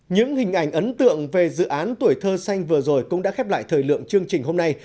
những hình ảnh ấn tượng về dự án tuổi thơ xanh vừa rồi cũng đã khép lại thời lượng chương trình hôm nay